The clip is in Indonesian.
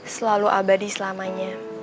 selalu abadi selamanya